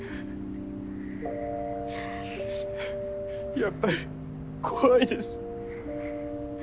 やっぱり怖いです。